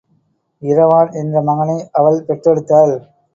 இரவான் என்ற மகனை அவள் பெற்றெடுத்தாள்.